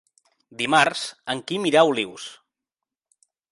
Dimarts en Quim irà a Olius.